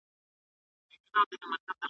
کمپيوټر فصل اټکلوي.